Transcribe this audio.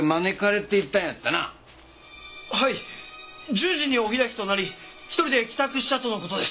１０時にお開きとなり１人で帰宅したとの事です。